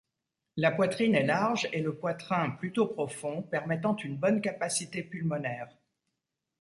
La poitrine est large et le poitrain plutôt profond, permettant une bonne capacité pulmonaire.